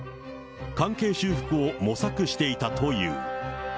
関係修復を模索していたという。